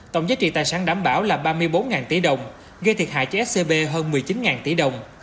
tổng giá trị tài sản đảm bảo là ba mươi bốn tỷ đồng gây thiệt hại cho scb hơn một mươi chín tỷ đồng